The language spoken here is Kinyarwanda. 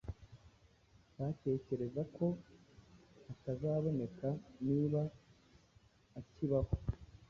batekereza ko atazaboneka niba akibaho